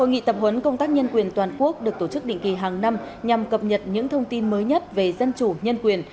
hợp huấn công tác nhân quyền toàn quốc được tổ chức định kỳ hàng năm nhằm cập nhật những thông tin mới nhất về dân chủ nhân quyền